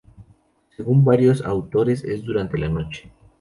Según varios autores es durante la noche.